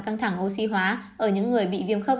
căng thẳng oxy hóa ở những người bị viêm khớp